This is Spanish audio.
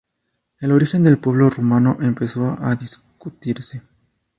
El origen del pueblo rumano empezó a discutirse.